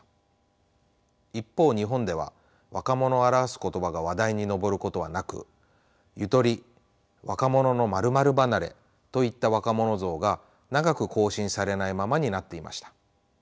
一方日本では若者を表す言葉が話題に上ることはなく「ゆとり」「若者の○○離れ」といった若者像が長く更新されないままになっていました。